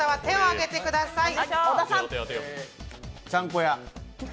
ちゃんこ屋？